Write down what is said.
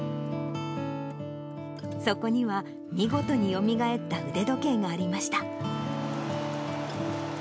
そこには見事によみがえった腕時計がありました。